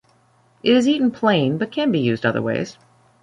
It is eaten plain, but can be used other ways.